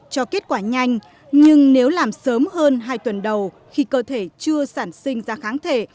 cho kết quả nhanh nhưng nếu làm sớm hơn hai tuần đầu khi cơ thể chưa sản sinh ra kháng thể